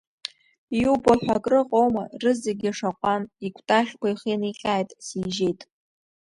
Иубо ҳәа акрыҟоума, рызегьы шаҟәан, икәтаӷьқәа ихы ианиҟьааит, сижьеит.